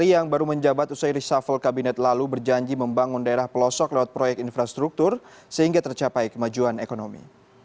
yang baru menjabat usai reshuffle kabinet lalu berjanji membangun daerah pelosok lewat proyek infrastruktur sehingga tercapai kemajuan ekonomi